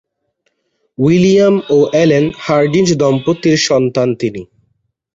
William ও Ellen Hardinge দম্পতির সন্তান তিনি।